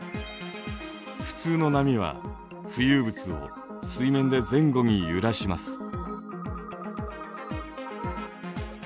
普通の波は浮遊物を水面で前後に揺らします。